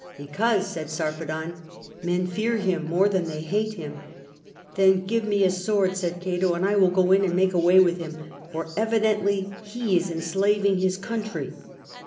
Because," said Sarpedon, ''men fear him more than they hate him!'' "Then give me a sword," said Cato, and I will go in and make away with him, for evidently he is enslaving his country!"